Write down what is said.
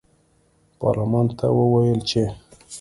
پارلمان ته وویل چې